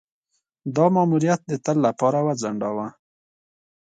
دا ماموریت د تل لپاره وځنډاوه.